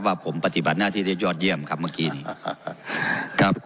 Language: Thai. ว่าผมปฏิบัติหน้าที่ได้ยอดเยี่ยมครับเมื่อกี้นี้ครับ